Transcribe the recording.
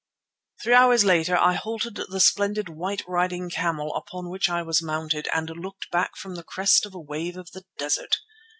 Three hours later I halted the splendid white riding camel upon which I was mounted, and looked back from the crest of a wave of the desert.